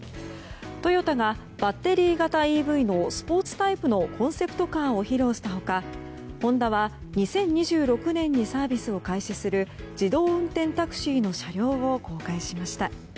トヨタがバッテリー型ＥＶのスポーツタイプのコンセプトカーを披露した他ホンダは２０２６年にサービスを開始する自動運転タクシーの車両を公開しました。